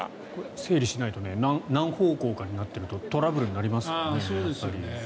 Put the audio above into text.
整理しないとね何方向かになっているとトラブルになりますよね。